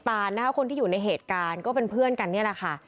ตานนะคะคนที่อยู่ในเหตุการณ์ก็เป็นเพื่อนกันนี่แหละค่ะ